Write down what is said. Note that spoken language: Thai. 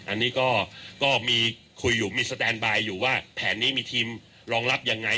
อันนี้ก็มีคุยอยู่มีสแตนบายอยู่ว่าแผนนี้มีทีมรองรับยังไง